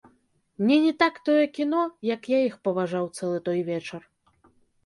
Мне не так тое кіно, як я іх паважаў цэлы той вечар.